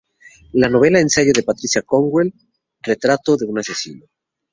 La novela-ensayo de Patricia Cornwell "Retrato de un asesino.